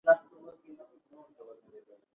خلکو ته د ډوډۍ ورکولو ترشا سیاسي موخې وې.